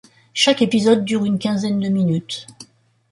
Chaque épisode dure une quinzaine de minutes.